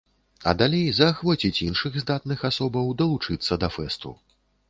А далей заахвоціць іншых здатных асобаў далучыцца да фэсту.